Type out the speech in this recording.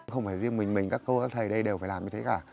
không phải riêng mình mình các cô các thầy đây đều phải làm như thế cả